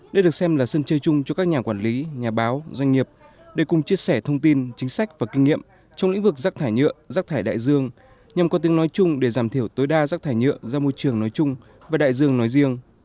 đây được xem là sân chơi chung cho các nhà quản lý nhà báo doanh nghiệp để cùng chia sẻ thông tin chính sách và kinh nghiệm trong lĩnh vực rác thải nhựa rác thải đại dương nhằm có tiếng nói chung để giảm thiểu tối đa rác thải nhựa ra môi trường nói chung và đại dương nói riêng